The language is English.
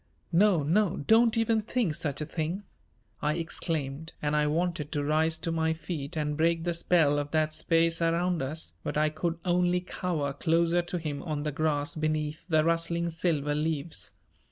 "No, no, don't even think such a thing," I exclaimed, and I wanted to rise to my feet and break the spell of that space around us, but I could only cower closer to him on the grass beneath the rustling silver leaves.